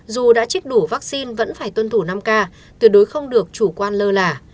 dù đã chích đủ vaccine vẫn phải tuân thủ năm k tuyệt đối không được chủ quan lơ lả